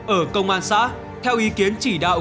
ở công an xã theo ý kiến chỉ đạo